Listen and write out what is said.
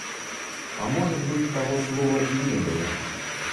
А может быть, того слова и не было.